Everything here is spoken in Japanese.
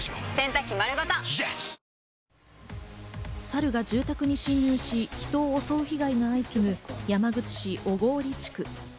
サルが住宅に侵入し、人を襲う被害が相次ぐ山口市小郡地区。